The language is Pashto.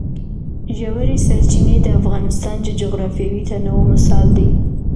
ژورې سرچینې د افغانستان د جغرافیوي تنوع مثال دی.